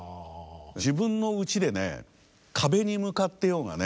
自分のうちでね壁に向かってようがね